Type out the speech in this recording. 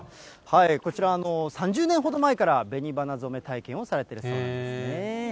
こちら、３０年ほど前からべに花染め体験をされてるそうなんですね。